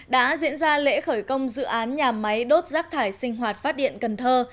đã diễn ra lễ khởi công dự án nhà máy đốt rác thải sinh hoạt phát điện cần thơ